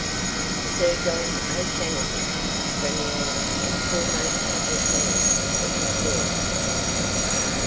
SIR JOHN O'SHANASSY, PREMIER, AND FOREMOST PUBLIC MAN OF VICTORIA.